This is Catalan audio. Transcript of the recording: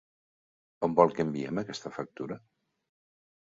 On vol que enviem aquesta factura?